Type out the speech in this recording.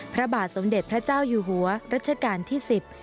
พระบาทสมเด็จพระเจ้าอยู่หัวรัชกาลที่สิบ